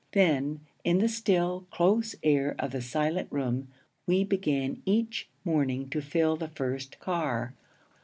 Then, in the still, close air of the silent room, we began each morning to fill the first car.